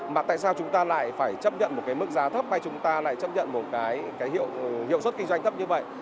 mà tại sao chúng ta lại phải chấp nhận một cái mức giá thấp hay chúng ta lại chấp nhận một cái hiệu suất kinh doanh thấp như vậy